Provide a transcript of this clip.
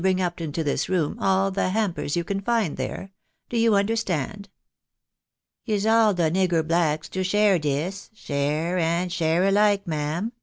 bring up into this room, all tlie hampers you can find there. Do you understand? "" Is all the nigger blacks to share dis, share and share ahke, ma'am